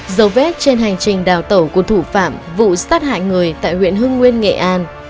dấu vết trên hành trình đào tẩu của thủ phạm vụ sát hại người tại huyện hưng nguyên nghệ an